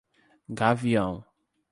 Gavião